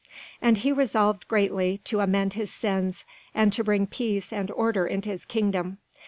And he resolved greatly to amend his sins, and to bring peace and order into his kingdom.